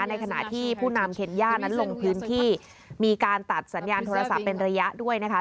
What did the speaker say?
ในขณะที่ผู้นำเคนย่านั้นลงพื้นที่มีการตัดสัญญาณโทรศัพท์เป็นระยะด้วยนะคะ